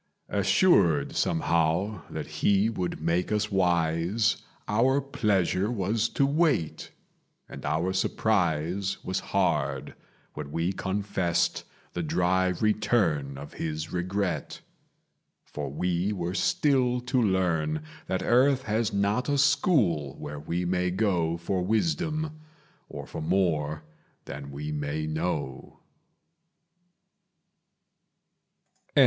Assured somehow that he would make us wise, Our pleasure was to wait; and our surprise Was hard when we confessed the dry return Of his regret. For we were still to learn That earth has not a school where we may go For wisdom, or for more than we may know.